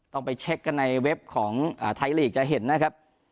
ต้องไปเช็คกันในเว็บของไทยลีกจะเห็นนะครับ